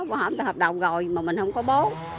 bố họ người ta hợp đồng rồi mà mình không có bố